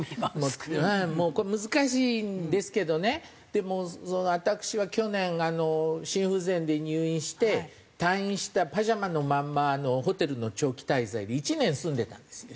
でも私は去年心不全で入院して退院したパジャマのまんまホテルの長期滞在で１年住んでたんですよ